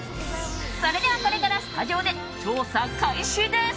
それでは、これからスタジオで調査開始です。